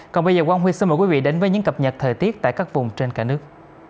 còn bây giờ quang huy xin mời quý vị đến với những cập nhật thời tiết tại các vùng trên cả nước